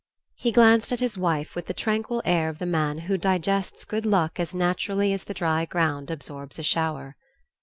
He glanced at his wife with the tranquil air of the man who digests good luck as naturally as the dry ground absorbs a shower.